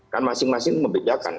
kan masing masing membedakan